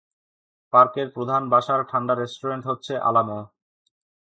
পার্কের প্রধান বসার-ঠান্ডা রেস্টুরেন্ট হচ্ছে আলামো।